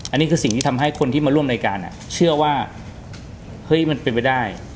อันนี้คือสิ่งที่ทำให้คนที่มาร่วมรายการเชื่อว่าเฮ้ยมันเป็นไปได้